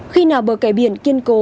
khi nào bờ kè biển kiên cố